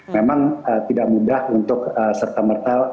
memang tidak mudah untuk serta merta